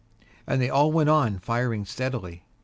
And they all went on firing steadily.